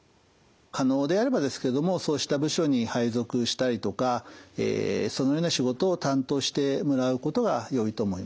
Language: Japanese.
可能であればですけどもそうした部署に配属したりとかそのような仕事を担当してもらうことがよいと思います。